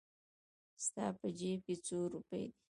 ستا په جېب کې څو روپۍ دي؟